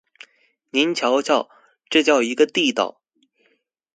您瞧瞧，这叫一个地道！